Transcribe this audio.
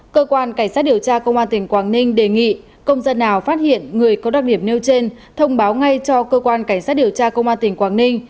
cơ quan cảnh sát điều tra công an tỉnh quảng ninh đề nghị công dân nào phát hiện người có đặc điểm nêu trên thông báo ngay cho cơ quan cảnh sát điều tra công an tỉnh quảng ninh